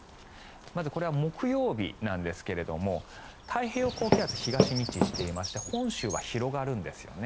まずこれは木曜日なんですが太平洋高気圧東に位置していまして本州は広がるんですよね。